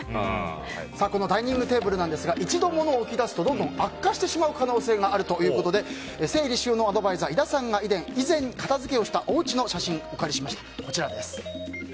このダイニングテーブル一度、物を置きだすとどんどん悪化してしまう可能性があるということで整理収納アドバイザー井田さんが以前片づけをしたおうちの写真をお借りしました。